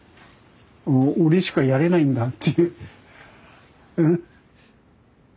俺しかやれないんだっていううん。